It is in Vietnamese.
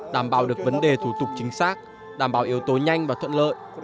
đảm bảo được vấn đề thủ tục chính xác đảm bảo yếu tố nhanh và thuận lợi